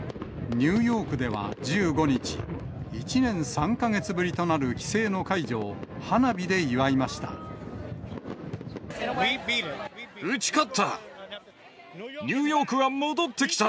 ニューヨークでは１５日、１年３か月ぶりとなる規制の解除を、打ち勝った！